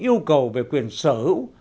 yêu cầu về quyền sở hữu